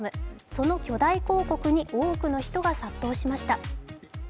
その巨大広告に多くの人が殺到しました。